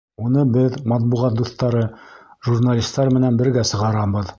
Уны беҙ, матбуғат дуҫтары, журналистар менән бергә сығарабыҙ.